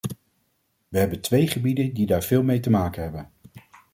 We hebben twee gebieden die daar veel mee te maken hebben.